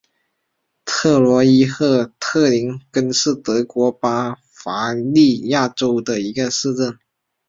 特罗伊赫特林根是德国巴伐利亚州的一个市镇。